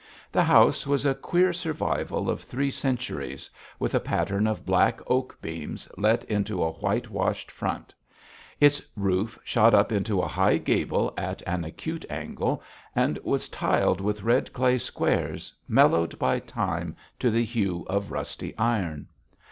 The house was a queer survival of three centuries, with a pattern of black oak beams let into a white washed front. Its roof shot up into a high gable at an acute angle, and was tiled with red clay squares, mellowed by Time to the hue of rusty iron.